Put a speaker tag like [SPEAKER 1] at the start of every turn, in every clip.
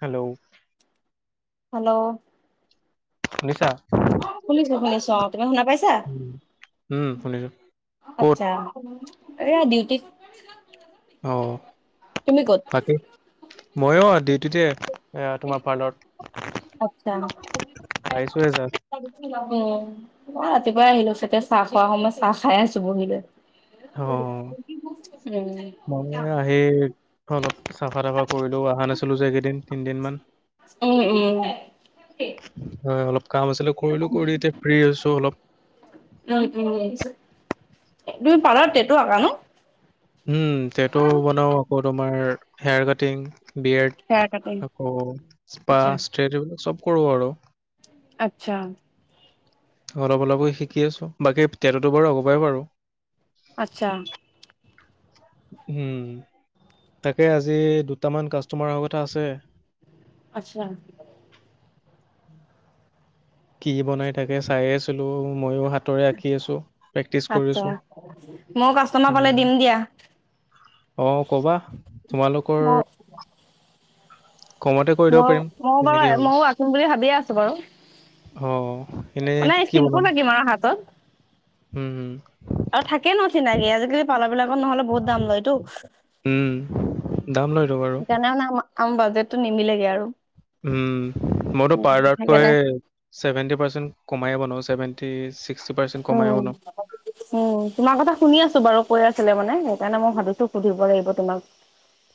[SPEAKER 1] Hello
[SPEAKER 2] hello
[SPEAKER 1] শুনিছা
[SPEAKER 2] শুনিছো শুনিছো অ তুমি শুনা পাইছা
[SPEAKER 1] উম উম, শুনিছো। ক'ত?
[SPEAKER 2] আত্ছা এ ডিউটি
[SPEAKER 1] অ বাকী মই অ ডিউটিতে এয়া তোমাৰ পাৰ্লাৰত
[SPEAKER 2] আচ্ছা উ
[SPEAKER 1] আহিছোহে জাষ্ট।
[SPEAKER 2] মই ৰাতিপুৱাই আহিলো তেতিয়া চাহ খোৱাৰ সময় চাহ খাই আছো বহিলৈ
[SPEAKER 1] অ
[SPEAKER 2] উম
[SPEAKER 1] মই আহি অলপ চাফা তাফা কৰিলো অহা নাছিলো যে কেইদিন তিনদিনমান
[SPEAKER 2] উম উম
[SPEAKER 1] হয় অলপ কাম আছিলে কৰিলো কৰি এতিয়া ফ্ৰী হৈছো অলপ।
[SPEAKER 2] উম উম এ তুমি পাৰ্লাৰত টেটু আকা ন
[SPEAKER 1] উম টেটু বনাও আকৌ তোমাৰ hair cutting
[SPEAKER 2] hair
[SPEAKER 1] beard
[SPEAKER 2] cutting
[SPEAKER 1] আকৌ স্পা
[SPEAKER 2] আচ্ছা
[SPEAKER 1] ষ্ট্ৰেটো চব কৰোঁ আৰু
[SPEAKER 2] আচ্ছা
[SPEAKER 1] অলপ অলপৈ শিকি আছো বাকী টেটু টো বাৰু আগৰপৰাই পাৰো
[SPEAKER 2] আচ্ছা
[SPEAKER 1] উম তাকে আজি দুটামান কাষ্টমাৰ অহাৰ কথা আছে
[SPEAKER 2] আচ্ছা
[SPEAKER 1] কি বনাই তাকে চাইয়ে আছিলো ময়ো হাত তৰে আঁকি আছো প্ৰেক্টিচ
[SPEAKER 2] আচ্ছা
[SPEAKER 1] কৰিছো
[SPEAKER 2] ময়ো কাষ্টমাৰ পালে দিম দিয়া
[SPEAKER 1] অ কবা তোমালোকৰ
[SPEAKER 2] ম
[SPEAKER 1] কমতে কৰি দিব
[SPEAKER 2] মই
[SPEAKER 1] পাৰিম
[SPEAKER 2] ময়ো
[SPEAKER 1] তেনেকে
[SPEAKER 2] বাৰু
[SPEAKER 1] হ'লে
[SPEAKER 2] মইও আঁকিম বুলি ভাবিয়ে আছো বাৰু
[SPEAKER 1] অ এনেই
[SPEAKER 2] মানে
[SPEAKER 1] কি
[SPEAKER 2] চিম্পুল
[SPEAKER 1] বনাম
[SPEAKER 2] আঁকিম আৰু হাতত
[SPEAKER 1] উম উম
[SPEAKER 2] আৰু থাকে ন চিনাকি আজিকালি পাৰ্লাৰ বিলাক নহলে বহুত দাম লয়টো
[SPEAKER 1] উম দাম লয়তো বাৰু
[SPEAKER 2] সেইকাৰণে মানে মই অম বাজেটটো নিমিলেগে আৰু
[SPEAKER 1] উম মইতো
[SPEAKER 2] উম
[SPEAKER 1] পাৰ্লাৰতকৈ
[SPEAKER 2] সেইকাৰণে
[SPEAKER 1] চছেভেন্টি পাৰ্চেন্ট কমাইে বনো চেভেণ্টি ছিক্স
[SPEAKER 2] উম উম তোমাৰ কথা শুনি আছো বাৰু কৈ আছো ছিলে মানে সেইকাৰণে মই ভাবিছো সুধিব লাগিব তোমাক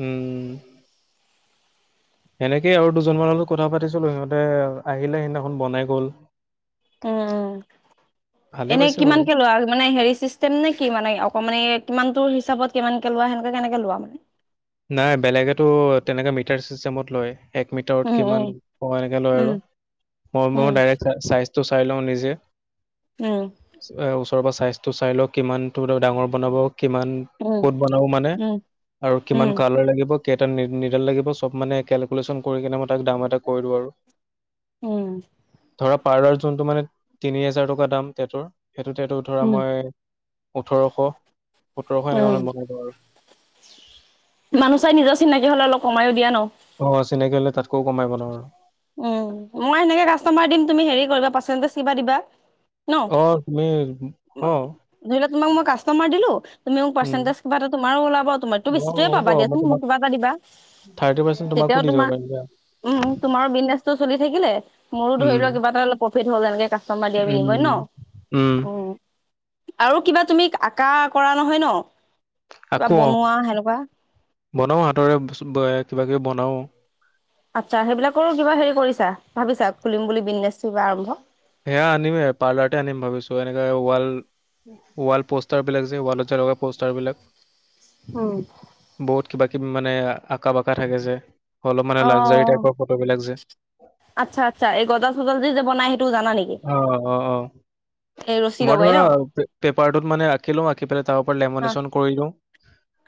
[SPEAKER 1] উম সেনেকেই আৰু দুজনমানৰ লগত কথা পাতিছিলো সিহঁতে আহিলে সিদিনাখন বনাই গল
[SPEAKER 2] উম উম
[SPEAKER 1] ভালে
[SPEAKER 2] এনেই
[SPEAKER 1] পাইছে বাৰু
[SPEAKER 2] কিমানকে লোৱা মানে হেৰি চিষ্টেম নে কি মানে অকমানে কিমানটোৰ হিচাপত কিমান কে লোৱা সেনেকে কেনেকে লোৱা মানে
[SPEAKER 1] নাই বেলেগেতো তেনেকে মিটাৰ চিষ্টেমত লয় এক মিটাৰত
[SPEAKER 2] উম
[SPEAKER 1] কিমান
[SPEAKER 2] উম
[SPEAKER 1] এনেকে লয় আৰু মই ম
[SPEAKER 2] উম
[SPEAKER 1] ডাইৰেক্ট চা চাইজ টো চাই লওঁ নিজে
[SPEAKER 2] উম
[SPEAKER 1] অ ওচৰ পৰা চাইজটো চাই লও কিমান ডাঙৰ বনাব কিমান
[SPEAKER 2] উম
[SPEAKER 1] ক'ত বনাব মানে
[SPEAKER 2] উম
[SPEAKER 1] আৰু কিমান
[SPEAKER 2] উম উম
[SPEAKER 1] কাৰলাৰ লাগিব কেইটা নি নিগেল লাগিব চব মানে কেলকুলেশ্যন কৰি কিনে মই তাক দাম এটা কৰি দিওঁ আৰু
[SPEAKER 2] উম
[SPEAKER 1] ধৰা পাৰলাৰ যোনটো মানে তিনি হেজাৰ টকা দাম তাতো সেইটোতেটো ধৰা মই ওঠৰশ সোতৰশ এনেকাত বনাই দিওঁ আৰু
[SPEAKER 2] মানু চাই নিজৰ চিনাকি হলে অলপ কমাইও দিয়া ন
[SPEAKER 1] অ চিনাকি হলে তাতকৈও কমাই বনাও আৰু
[SPEAKER 2] উ মই সেনেকে কাষ্টমাৰ দিম তুমি হে কৰিবা পাৰচেন্টিছ্ কিবা দিবা ন
[SPEAKER 1] অ তুমি হু
[SPEAKER 2] ধৰি লোৱা তোমাক মই কাষ্টমাৰ দিলো তুমি মোক পাৰ্চেটিজ কিবা এটা তোমাৰ ওলাব তোমাকটো
[SPEAKER 1] অ'
[SPEAKER 2] বেছিয়ে
[SPEAKER 1] হ'ব
[SPEAKER 2] পাবা
[SPEAKER 1] মই
[SPEAKER 2] দিয়াচোন
[SPEAKER 1] তোমাক
[SPEAKER 2] মোক কিবা এটা দিবা
[SPEAKER 1] থাৰ্টি পাৰ্চেণ্ট
[SPEAKER 2] তেতিয়াও
[SPEAKER 1] তোমাকো দি দিব
[SPEAKER 2] তোমাৰ
[SPEAKER 1] পাৰিম
[SPEAKER 2] উম
[SPEAKER 1] দিয়া
[SPEAKER 2] তোমাৰো বিজনেছ চলি থাকিলে মোৰো ধৰি
[SPEAKER 1] উম,
[SPEAKER 2] লও কিবা এটা অল প্ৰফিট হল এনেকা
[SPEAKER 1] উম,
[SPEAKER 2] [unintelligible] ন উম আৰু কিবা তুমি আঁকা কৰা নহয় ন কিবা
[SPEAKER 1] আকৌ অ
[SPEAKER 2] বনোৱা সেনেকুৱা
[SPEAKER 1] বনাও হাতৰে বস্তু কিবা কিবি বনাও
[SPEAKER 2] আচ্ছা সেইবিলাকৰো কিবা হেৰি কৰিছা ভাবিছা খুলিম বুলি বিজনেছ কিবা আৰম্ভ
[SPEAKER 1] সেয়া আনিমেই পাৰ্লাৰতে আনিম ভাবিছো এনেকে ৱাল ৱাল পোষ্টাৰ বিলাক যে ৱালত যে লগা প'ষ্টাৰ বিলাক
[SPEAKER 2] অ
[SPEAKER 1] বহুত কিবা মানে আঁকা বাকা থাকে যে অলপ মানে
[SPEAKER 2] অ
[SPEAKER 1] লাগজাৰী টাইপৰ ফটোবিলাক যে
[SPEAKER 2] আচ্ছা আচ্ছা এই গজাল চজাল দি যে বনাই সে
[SPEAKER 1] অহ অ অ
[SPEAKER 2] এই ৰছী
[SPEAKER 1] মই
[SPEAKER 2] লগাই ন
[SPEAKER 1] ধৰা পেপাৰটোত মানে আঁকিলো আঁকি পেলাই তাৰ
[SPEAKER 2] আহ
[SPEAKER 1] লেমোনেচন কৰিলো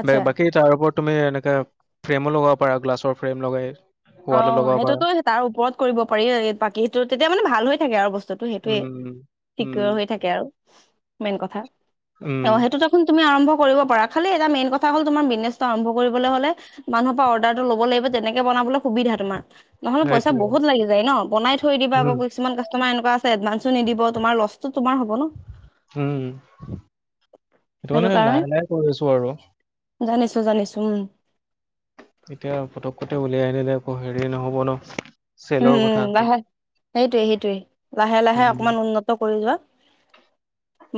[SPEAKER 2] আচ্ছা
[SPEAKER 1] বা বাকী তাৰ ওপৰত তুমি এনেকে ফ্ৰেমো লগাব পাৰা গ্লাছৰ ফ্ৰেম লগাই
[SPEAKER 2] অ
[SPEAKER 1] ৱালত লগাব পাৰা
[SPEAKER 2] সেইটোতো তাৰ ওপৰত কৰিব পাৰি বাকী সেইটো তেতিয়া মানে ভাল হৈ থাকে আৰু বস্তু বস্তুতো সেইটোৱে
[SPEAKER 1] উম
[SPEAKER 2] ঠিক
[SPEAKER 1] উম
[SPEAKER 2] হৈ থাকে আৰু মেইন কথা
[SPEAKER 1] উম
[SPEAKER 2] অ সেইটো দেখোন তুমি আৰম্ভ কৰিব পাৰা খালি এটা মেইন কথা হল তোমাৰ বিজনেছ্টো আৰম্ভ কৰিবলে হলে মানুহৰ পৰা অৰ্ডাৰটো লব লাগিব তেনেকে বনাবলে সুবিধা তোমাৰ নহ'লে পইচা
[SPEAKER 1] সেইটোৱে,
[SPEAKER 2] বহুত লাগি যায় ন বনাই থৈ দিবা আকৌ
[SPEAKER 1] উম,
[SPEAKER 2] কিছুমান কাষ্টমাৰ এনেকুৱা এডভানসো নিদিব তোমাৰ লছটো তোমাৰ হ'ব ন
[SPEAKER 1] উম
[SPEAKER 2] সেইটো
[SPEAKER 1] সেকাৰনে
[SPEAKER 2] কাৰণে
[SPEAKER 1] লাহে লাহে কৰি আছো আৰু
[SPEAKER 2] জানিছো জানিছো উম
[SPEAKER 1] এতিয়া পটকতে উলিয়াই আনিলে আকৌ হেৰি নহ'ব ন
[SPEAKER 2] উম
[SPEAKER 1] চেলৰ
[SPEAKER 2] উম
[SPEAKER 1] কথা আছে
[SPEAKER 2] লাহে সেইটোৱে সেইটোৱে লাহে লাহে
[SPEAKER 1] উম,
[SPEAKER 2] অকমান উন্নত কৰি লোৱা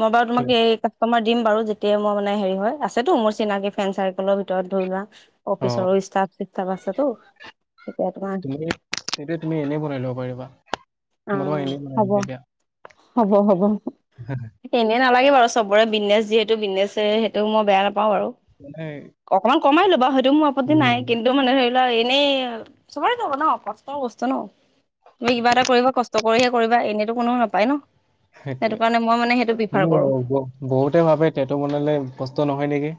[SPEAKER 2] মই বাৰু
[SPEAKER 1] সেইটোৱে।
[SPEAKER 2] তোমাক এই আম মা দিম বাৰু যেতিয়া মই মানে হেৰি হয় আছেতো মোৰ চিনাকি ফ্ৰেড চাৰ্কলৰ ভিতৰত ধৰি লোৱা
[SPEAKER 1] অ',
[SPEAKER 2] অফিচৰ ষ্টফ চিস্তাফ আছে তো তেতিয়া তোমাৰ
[SPEAKER 1] সেইটো তুমি এনেই বনাই লব পাৰিবা
[SPEAKER 2] অ
[SPEAKER 1] তোমাক মই এনেই বনাই
[SPEAKER 2] হ'ব
[SPEAKER 1] দিয়া
[SPEAKER 2] হ'ব হ'ব এনে নালাগে বাৰু চবৰে বিজনেছ যিহেতু বিজনেছে সেইটো মই বেয়া নাপ নাপাওঁ
[SPEAKER 1] মানে
[SPEAKER 2] অকমান কমাই ল'বা হয়টো মোৰ আপত্তি
[SPEAKER 1] উম,
[SPEAKER 2] নাই কিন্তু মানে হেই নাই এনেই চবৰে কৰিব ন কষ্ট বস্তু ন তুমি কিবা এটা
[SPEAKER 1] সেইটোৱে।
[SPEAKER 2] কৰিবা কষ্ট কৰিহে কৰিবা এনেতো কোনো নাপায় ন
[SPEAKER 1] সেইটোৱে
[SPEAKER 2] সেইটো কাৰণে মই মানে সেইটো প্ৰিফাৰ
[SPEAKER 1] কিন্তু
[SPEAKER 2] কৰো
[SPEAKER 1] বহুতে ভাবে তেটো বনালে নহয় নেকি।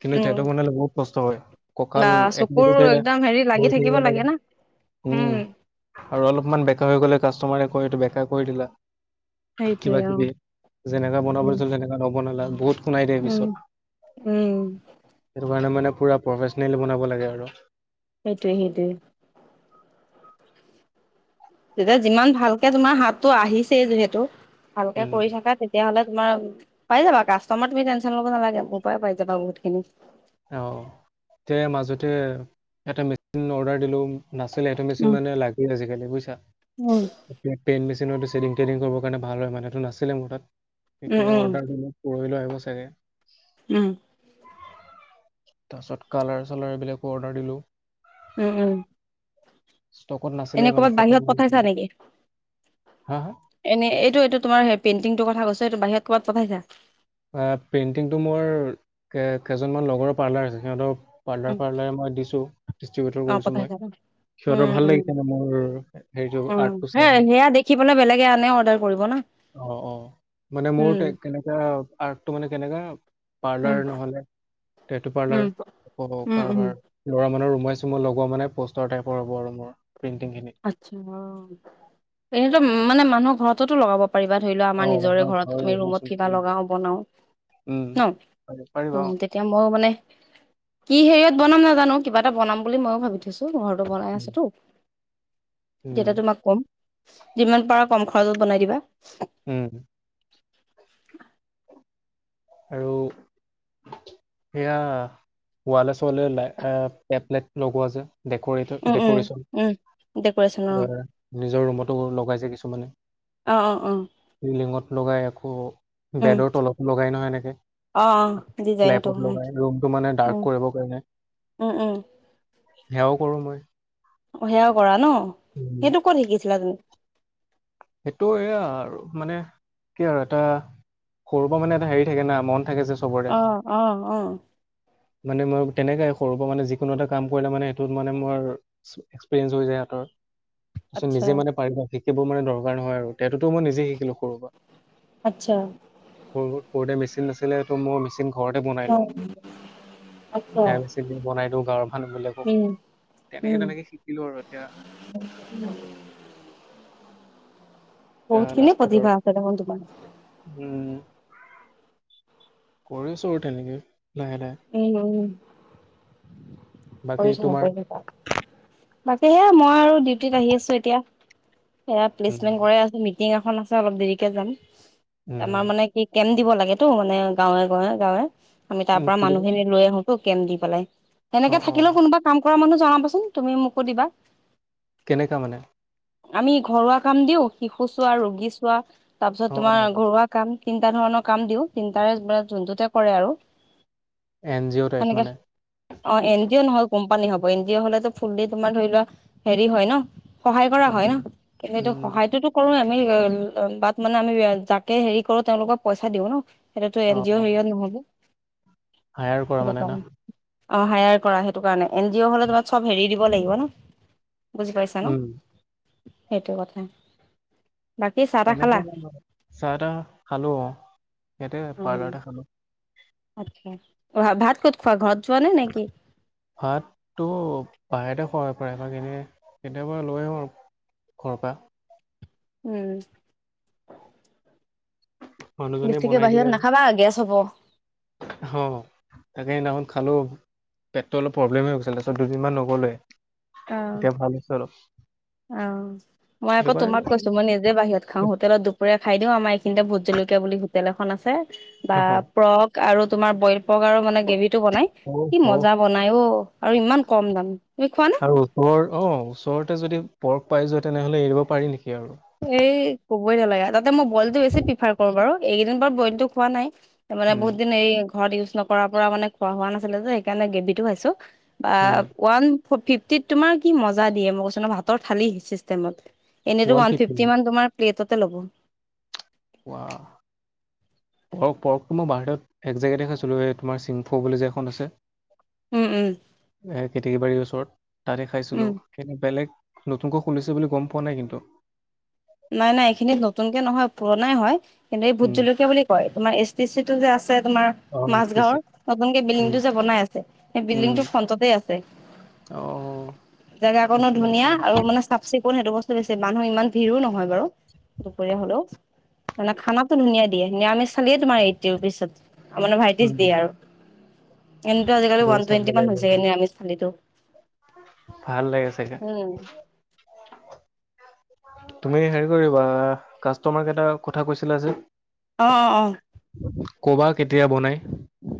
[SPEAKER 1] কিন্তু
[SPEAKER 2] উম
[SPEAKER 1] সিহঁতক বনে বহুত কষ্ট হয় কঁকাল
[SPEAKER 2] বা চকুৰ
[SPEAKER 1] একদিনতে
[SPEAKER 2] একদম হেৰি লাগি
[SPEAKER 1] বৈ থাকিব লাগে।
[SPEAKER 2] না
[SPEAKER 1] উম, আৰু অলপমান বেকা হৈ গলে কাষ্টমাৰে কয় এইটো বেকা কৰি দিলা।
[SPEAKER 2] সেইটোৱে
[SPEAKER 1] কিবা
[SPEAKER 2] অ
[SPEAKER 1] কিবি যেনেকা বনাব
[SPEAKER 2] উম
[SPEAKER 1] লছিল তেনেকা নবনালা বহুত নাই দিয়
[SPEAKER 2] উম
[SPEAKER 1] পিছত
[SPEAKER 2] উম
[SPEAKER 1] সেইটো কাৰণে মানে পুৰা প্ৰফেচনেল বনাব লাগে আৰু
[SPEAKER 2] সেইটোৱ, সেইটোৱে। তেতিয়া যিমান ভালকে তোমাৰ হাতটো আহিছেই যিহেতু ভালকে
[SPEAKER 1] উম
[SPEAKER 2] কৰি থকা তেতিয়া হ'লে তোমাৰ পাই যাবা কাষ্টমাৰ তুমি টেনচন ল'ব নালাগে মোৰ পৰাই পাই যাবা বহুতখিনি
[SPEAKER 1] অ তে মাজতে এটা মেচিন অৰ্ডাৰ দিলো। নাছিলে এইটো মেচিন
[SPEAKER 2] উম
[SPEAKER 1] মানে লাগজালি বুইচা
[SPEAKER 2] উম
[SPEAKER 1] [unintelligible] কৰিবৰ কাৰণে ভাল হয় মানে এইটো নাছিলে মোৰ তাত
[SPEAKER 2] উম
[SPEAKER 1] অৰ্ডাৰটো [unintelligible] আহিব চাগে
[SPEAKER 2] উম।
[SPEAKER 1] তাৰ পিছত কালাৰ চালাৰ এইবিলাকো অৰ্ডাৰ দিলো।
[SPEAKER 2] উম, উম।
[SPEAKER 1] ষ্টকত
[SPEAKER 2] এনে
[SPEAKER 1] নাছিলেই মানে
[SPEAKER 2] ক'ৰবাত
[SPEAKER 1] ফটো মাৰিছিলে।
[SPEAKER 2] এনেই এইটো এইটো তোমাৰ পেইণ্টিংটোৰ কথা কৈছ এইটো বাহিৰত ক'ৰবাত পঠাইছা।
[SPEAKER 1] পেইণ্টিংটো মোৰ কেইজনমান লগৰৰ পাৰ্লাৰ আছে সিহঁতৰ পাৰ্লাৰ
[SPEAKER 2] উম
[SPEAKER 1] পাৰ্লাৰে মই দিছো ডষ্ট্ৰিবউটৰ
[SPEAKER 2] অ
[SPEAKER 1] কৰিছো মই
[SPEAKER 2] পঠাইছা ন
[SPEAKER 1] সিহঁতৰ
[SPEAKER 2] উম
[SPEAKER 1] ভাল
[SPEAKER 2] উম
[SPEAKER 1] লাগিছে নে মোৰ হেৰিটো
[SPEAKER 2] উম
[SPEAKER 1] আৰ্টটো
[SPEAKER 2] সে
[SPEAKER 1] চাই ম
[SPEAKER 2] সেয়া দেখি পেলাই বেলেগে আনে অৰ্ডাৰ কৰিব না
[SPEAKER 1] অ', অ', মানে মোৰ
[SPEAKER 2] উম
[SPEAKER 1] কেনেকাা আৰ্টটো মানে কেনেকা
[SPEAKER 2] উম
[SPEAKER 1] পাৰ্লাৰ নহলে সেইটো পাৰ্লাৰ
[SPEAKER 2] উম
[SPEAKER 1] আকৌ
[SPEAKER 2] উম উম
[SPEAKER 1] কাৰবাৰ লৰা মানুহ ৰুমাইছো মই লগ মানে পষ্টৰ টাইপৰ হ'ব আৰু মোৰ পেইন্টিং খিনি
[SPEAKER 2] আচ্ছা এনেতো মানে মানুহৰ ঘৰততো লগাব পাৰা ধৰি লও
[SPEAKER 1] অ
[SPEAKER 2] আমাৰ নিজৰে
[SPEAKER 1] মানুহৰ
[SPEAKER 2] ঘৰত
[SPEAKER 1] ঘৰৰ ৰুমাই
[SPEAKER 2] ৰুমত
[SPEAKER 1] চুমাই
[SPEAKER 2] কিবা
[SPEAKER 1] উম
[SPEAKER 2] লগাও বনাও
[SPEAKER 1] উম
[SPEAKER 2] ন,
[SPEAKER 1] পাৰি পাৰিবা
[SPEAKER 2] অ', তেতিয়া মই মানে কি হেৰি বনাম নাজানো কিবা এটা বনাম বুলি ময়ো ভাবি থৈছো ঘৰতো বনাই আছোতো তেতিয়া
[SPEAKER 1] উম
[SPEAKER 2] তোমাক কম যিমান পাৰা কম খৰচত বনাই দিবা।
[SPEAKER 1] হম।
[SPEAKER 2] উ।
[SPEAKER 1] আৰু এয়া ওৱালে চোৱালে এ টেপলেট লগোৱা যে ডৰেটক
[SPEAKER 2] উম উম
[SPEAKER 1] ডক'ৰেচন
[SPEAKER 2] উম ডেক'ৰেশ্যন
[SPEAKER 1] এ নিজৰ ৰুমতো লগাইছে কিছুমানে
[SPEAKER 2] অ অ অ অ
[SPEAKER 1] [unintelligible] লিঙত লগাই আ
[SPEAKER 2] উম
[SPEAKER 1] বেডৰ তলতো লগাই নহয় এনেক প
[SPEAKER 2] অ অ ডিজাইনটো উম
[SPEAKER 1] লগাই ৰুমটো মানে ডাৰ্ক
[SPEAKER 2] উম
[SPEAKER 1] কৰিবৰ কাৰণে
[SPEAKER 2] উম উম
[SPEAKER 1] সেয়াও কৰো মই।
[SPEAKER 2] সেয়াও কৰা ন
[SPEAKER 1] উম,
[SPEAKER 2] সেইটো কত শিকিছিলা তুমি
[SPEAKER 1] সেইটো এয়া আৰু মানে কি আৰু এটা সৰুৰ পৰা মানে এটা হেৰি থাকে না মন থাকে যে চবৰে
[SPEAKER 2] আহ, আহ, আহ।
[SPEAKER 1] মানে মই তেনেকে সৰুৰ পৰা মানে যিকনো এটা কাম কৰিলে মানে সেইটোত মানে মোৰ এক্সপিৰিয়েঞ্চ হৈ যায়। তাৰপিছত
[SPEAKER 2] আচ্ছা
[SPEAKER 1] নিজে মানে পাৰিব সেইেইবোৰ মানে দৰকাৰ নহয় আৰু। তেটোতো মই নিজে শিকিলোঁ সৰুৰ পৰা
[SPEAKER 2] আচ্ছা
[SPEAKER 1] সৰু সৰুতে মেচিন নাছিলো মোৰ মেচিন। ঘৰতে বনাই
[SPEAKER 2] অ
[SPEAKER 1] লওঁ
[SPEAKER 2] আচ্ছা
[SPEAKER 1] সেয়া বনাই দিওঁ গাঁৱৰ মানুহ বিলাকো
[SPEAKER 2] উম
[SPEAKER 1] তেনেকে
[SPEAKER 2] উম
[SPEAKER 1] তেনেকে শিকিলো আৰু এতিয়া
[SPEAKER 2] বহুতখিনিয়ে
[SPEAKER 1] লাষ্টত আৰু
[SPEAKER 2] প্ৰতিভা আছে দেখোন তোমাৰ।
[SPEAKER 1] কৰিছো আৰু তেনেকে লাহে লাহে
[SPEAKER 2] উম, উম।
[SPEAKER 1] বাকী
[SPEAKER 2] কৰি থাক
[SPEAKER 1] তোমাৰ
[SPEAKER 2] থ বাকী সেয়া মই আৰু ডিউটিত আহি আছো এতিয়া। সেয়া
[SPEAKER 1] উম
[SPEAKER 2] প্লেচমেন্ট কৰে আছো মিটিং এখন আছে অলপ দেৰিকে যাম আমাৰ
[SPEAKER 1] উম
[SPEAKER 2] মানে কি কেম দিব লাগেেতটো মানে গাঁৱে গাঁৱে গাঁৱে আমি তাৰ
[SPEAKER 1] উম
[SPEAKER 2] পৰা
[SPEAKER 1] কি বুলি কয়
[SPEAKER 2] মানুহখিনি লৈ আহো টো কেম দি পেলাই
[SPEAKER 1] অ
[SPEAKER 2] সেনেকে
[SPEAKER 1] অ
[SPEAKER 2] থাকিলেও কোনোবা কাম কৰা মানুহ জনাবাচোন তুমি মোকো দিবা
[SPEAKER 1] কেনেককা মানে
[SPEAKER 2] আমি ঘৰুৱা কাম দিও শিশু চোৱা ৰোগী চোৱা তাৰপিছত
[SPEAKER 1] অ অ
[SPEAKER 2] তোমাৰ ঘৰুৱা কাম তিনিটা ধৰণৰ কাম দিওঁ তিনটাৰে যোনটোতে কৰে আৰু
[SPEAKER 1] এন জি অ' টাইপ
[SPEAKER 2] সেনেকে
[SPEAKER 1] মানে
[SPEAKER 2] অ এন জি অ' নহয় কোম্পানী হব এনজি হলে ফুলি তোমাৰ ধৰি লোৱা হেৰি হয় ন সহায় কৰা হয়
[SPEAKER 1] উম
[SPEAKER 2] ন কিন্তুটো
[SPEAKER 1] উম
[SPEAKER 2] সহায়তটোতো কৰোে আমি বাত মানে আমি যাকে হেৰি কৰো তেওঁলোকক পইচা দিওঁ ন সেইটোতো এন জি অ' স নহ'ব
[SPEAKER 1] হায়াৰ কৰা
[SPEAKER 2] সেইটো
[SPEAKER 1] মানে না
[SPEAKER 2] কাৰণে অ হায়াৰ কৰা সেইটো কাৰণে এন জি অ' হলে তোমাক চব হেৰি দিব লাগিব ন বুজি পাইছা ন
[SPEAKER 1] উম
[SPEAKER 2] সেইটো কথা বাকী চাহ তাহ
[SPEAKER 1] তেনেক
[SPEAKER 2] খালা
[SPEAKER 1] চাহ টাহ খালো অ ইয়াতে
[SPEAKER 2] উম
[SPEAKER 1] পাৰ্লাৰ টে খালো
[SPEAKER 2] আচ্ছা আ ক'ত খোৱা ঘৰত যোৱা নে নেকি
[SPEAKER 1] ভাতটো বাহিৰতে খুৱাই পায় ভাগ ক এনে কেতিয়াবা লৈ আহো আৰু ঘৰৰ পৰা
[SPEAKER 2] উম
[SPEAKER 1] মানুহজনীয়ে
[SPEAKER 2] বেছিকে বাহিৰত নাখাবা গেছ হব
[SPEAKER 1] হ তাকে সেইদিনাখন খালো পেটটো অলপ প্ৰব্লেম হৈ গৈছে তাৰপিছত দুদিনমান নগ'লেৱে
[SPEAKER 2] অ
[SPEAKER 1] এতিয়া ভাল হৈছে অলপ
[SPEAKER 2] অ মই
[SPEAKER 1] সেইটো
[SPEAKER 2] আকৌ তোমাক
[SPEAKER 1] কাৰণে
[SPEAKER 2] কৈছো মই নিজে বাহিৰত খাওঁ হোটেলত দুপৰীয়া খাই দিওঁ আমাৰ এইখিনিতে ভোট জলকীয়া বুলি হোটেল এখন আছে বা
[SPEAKER 1] অ
[SPEAKER 2] প্ৰক আৰু তোমাৰ বলই পগ আৰু মানে গ্ৰেভিটো বনাই
[SPEAKER 1] অ
[SPEAKER 2] কি
[SPEAKER 1] অ,
[SPEAKER 2] মজা বনাই অ আৰু ইমান কম দাম তুমি খোৱা নে
[SPEAKER 1] ওৰ অ ওচৰতে যদি পৰ্ক পাই যোৱা তেনেহলে এৰিব পাৰি নেকি আৰু
[SPEAKER 2] এই ক'বই নালাগা তাতে মই বইলতটো বেছি প্ৰিফাৰ কৰো বাৰু এইকেইদিন ব বইলতটো খোৱা নাই মানে
[SPEAKER 1] উম
[SPEAKER 2] বহুত দিন এই ঘৰত ইউজ নকৰ পৰা মানে খোৱা হোৱা নাছিলে যে সেইকাৰণে গ্ৰেভি টো খাইছো বা
[SPEAKER 1] উম
[SPEAKER 2] ওৱান ফিফটিত তোমাৰ কি মজা দিয়ে মই কৈছ ভাতৰ থালি চিষ্টেমত এনেতো ওৱান ফিফটি মান তোমাৰ প্লেটতে ল'ব
[SPEAKER 1] ৱাহ পৰক পৰকটো মই বাহিৰত এক জেগা দেখাইছিলোঁ এই তোমাৰ ছিংফ' বুলি যে এখন আছে
[SPEAKER 2] উম উম
[SPEAKER 1] এ কেতেকী বাৰীৰ ওচৰত তাতে
[SPEAKER 2] উম,
[SPEAKER 1] খাইছিলো কি বেলেগ নতুনকৈ খুলিছে বুলি গম পোৱা নাই কিন্তু
[SPEAKER 2] নাই নাই এইখিনিত নতুনকে নহয় পুৰণাই হয় কিন্তু এই ভোট
[SPEAKER 1] উম
[SPEAKER 2] জলকীয়া বুলি কয় তোমাৰ এছ টি চি টো যে আছে তোমাৰ
[SPEAKER 1] অ এছ
[SPEAKER 2] মাাজ
[SPEAKER 1] টি
[SPEAKER 2] গাঁৱৰ
[SPEAKER 1] চিত
[SPEAKER 2] নতুনকে বিল্ডিং
[SPEAKER 1] উম
[SPEAKER 2] টো যে বনাই আছে সেই
[SPEAKER 1] উম
[SPEAKER 2] বিল্ডিং টো ফ্ৰন্টতে আছে
[SPEAKER 1] অ
[SPEAKER 2] জেগা কনো ধুনীয়া আৰু মানে চাফ চিকুণ সেইটো বস্তু ছে মানুহ ইমান ভিৰো নহয় বাৰু দুপৰীয়া হলেও মানে খানাটো ধুনীয়া দিয়ে নিৰামিষ চালেইে তোমাৰ এইট পিছত মানে ভাইটিছ
[SPEAKER 1] উম
[SPEAKER 2] দিয়ে আৰু এনেতটো আজিকালি
[SPEAKER 1] গৈ
[SPEAKER 2] ওান
[SPEAKER 1] চাব
[SPEAKER 2] টুৱেটিান
[SPEAKER 1] লাগিব
[SPEAKER 2] হৈছে এ
[SPEAKER 1] এদিন
[SPEAKER 2] নিৰামষ ছালিতো
[SPEAKER 1] ভাল লাগে চাগে
[SPEAKER 2] উ
[SPEAKER 1] তুমি হেৰি কৰিবা কাষ্টমাৰ কেইটটা কথা কৈছিলা যে
[SPEAKER 2] অ অ অ
[SPEAKER 1] কবাত কেতিয়া বনাই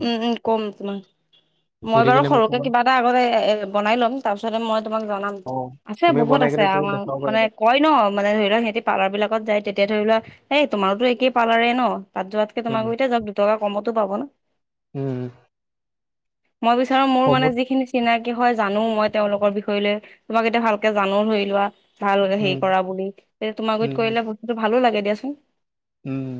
[SPEAKER 2] উম উ কম তোমাক
[SPEAKER 1] [unintelligible]
[SPEAKER 2] মই বাৰু
[SPEAKER 1] মোক
[SPEAKER 2] সৰুকে
[SPEAKER 1] ক'বা
[SPEAKER 2] কিবা এটা আগতে এ বনাই ল'ম তাৰপিছতে মই তোমাক জনাম
[SPEAKER 1] অ
[SPEAKER 2] আছে
[SPEAKER 1] তুমি
[SPEAKER 2] বহুত
[SPEAKER 1] বনাই
[SPEAKER 2] আছে
[SPEAKER 1] কিনে তুমি
[SPEAKER 2] অ',
[SPEAKER 1] দেখাব
[SPEAKER 2] মানে
[SPEAKER 1] পাৰিবা।
[SPEAKER 2] কয় ন মানে ধৰি লওক সিহঁতি পাৰ্লাৰবিলাকত যায় তে এতিয়া ধৰি ললা এই তোমাৰো একেই পৰ্লাৰে ন তাত যোৱাতকে
[SPEAKER 1] উম,
[SPEAKER 2] তোমাকো এতিয়া যাওক দুটকা কমতো পাব ন।
[SPEAKER 1] উম,
[SPEAKER 2] মই বিচাৰো মোৰ
[SPEAKER 1] হ'ব
[SPEAKER 2] মানে যিখিনি চিনাকি কি হয় জানো মই তেওঁলোকৰ বিষয় লৈ তোমাক এতিয়া ভালকে জানো ধৰি লোৱা ভাল হলে
[SPEAKER 1] উম,
[SPEAKER 2] হেৰি কৰা বুলি তেয়া তোমাক গৰিত
[SPEAKER 1] উম,
[SPEAKER 2] কৰিলে বস্তুটো ভালো লাগে দিয়াচোন।
[SPEAKER 1] উম,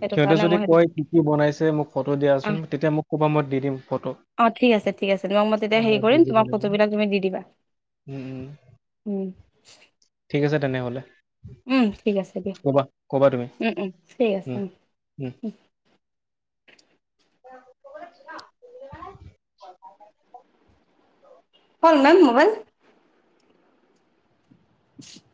[SPEAKER 2] সেইটো
[SPEAKER 1] সিহঁতে
[SPEAKER 2] কাৰণে
[SPEAKER 1] যদি
[SPEAKER 2] মই সেইটো
[SPEAKER 1] কয় কি কি বনাইছে মোক ফটো দিয়া
[SPEAKER 2] অ
[SPEAKER 1] চোন তেতিয়া মোক ক'বা মই দি দিম ফটো।
[SPEAKER 2] অ', ঠিক আছে ঠিক আছে মই মই তেতি
[SPEAKER 1] অ,
[SPEAKER 2] হেৰি
[SPEAKER 1] দি
[SPEAKER 2] কৰিম
[SPEAKER 1] দিব
[SPEAKER 2] তোমাক
[SPEAKER 1] লাগিব।
[SPEAKER 2] ফটোবলাক তুমি দি দিবা।
[SPEAKER 1] উম, উম
[SPEAKER 2] উম
[SPEAKER 1] ঠিক আছে তেনেহ'লে।
[SPEAKER 2] উম, ঠিক আছে দিয়া
[SPEAKER 1] ক'বা ক'বা তুমি
[SPEAKER 2] উম উম ঠিক আছে।
[SPEAKER 1] উম, উম। [unintelligible]
[SPEAKER 2] [unintelligible] মোবাইল [unintelligible]